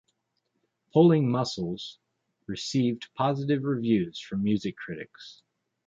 "Pulling Mussels" received positive reviews from music critics.